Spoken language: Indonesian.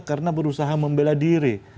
karena berusaha membela diri